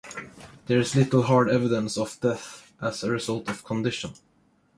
There is little hard evidence of death as a result of the condition.